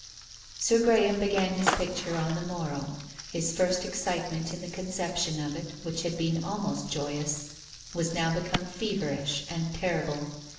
Sir Graham began his picture on the morrow. His first excitement in the conception of it, which had been almost joyous, was now become feverish and terrible.